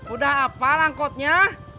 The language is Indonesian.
udah apa rangkotnya